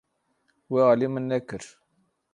We alî min nekir.